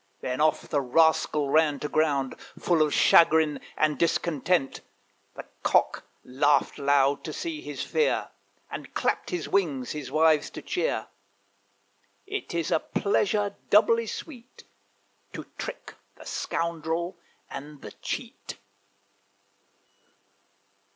Then off the rascal ran to ground, Full of chagrin and discontent. The Cock laughed loud, to see his fear, And clapped his wings, his wives to cheer. It is a pleasure doubly sweet To trick the scoundrel and the cheat.